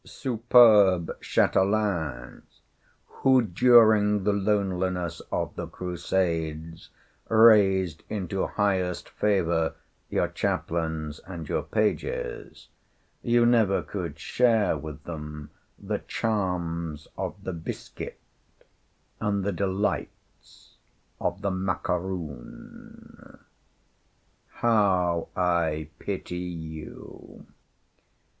Superb châtelaines, who during the loneliness of the Crusades raised into highest favor your chaplains and your pages, you never could share with them the charms of the biscuit and the delights of the macaroon. How I pity you!